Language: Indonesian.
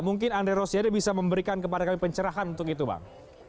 mungkin andre rosiade bisa memberikan kepada kami pencerahan untuk itu bang